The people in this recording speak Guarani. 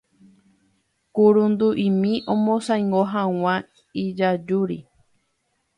kurundu'imi omosãingo hag̃ua ijajúri